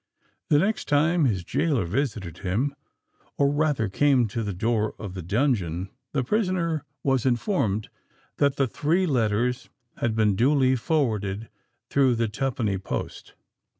The next time his gaoler visited him—or rather, came to the door of the dungeon, the prisoner was informed that the three letters had been duly forwarded through the twopenny post.